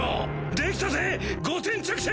できたぜ５点着地！